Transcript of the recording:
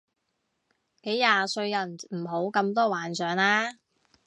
幾廿歲人唔好咁多幻想啦